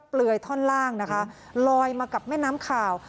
เปลือยท่อนล่างนะคะลอยมากับแม่น้ำข่าว